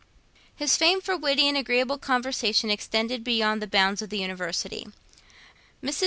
His fame for witty and agreeable conversation extended beyond the bounds of the University. Mrs.